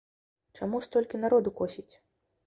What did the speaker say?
Чаму столькі народу косіць?